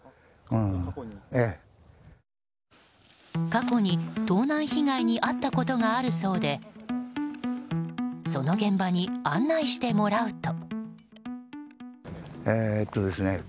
過去に、盗難被害に遭ったことがあるそうでその現場に案内してもらうと。